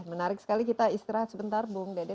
menarik sekali kita istirahat sebentar bung dede